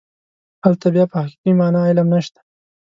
هلته بیا په حقیقي معنا علم نشته.